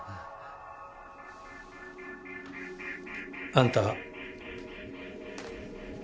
あんた。